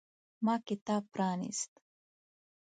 ما کتاب پرانیست.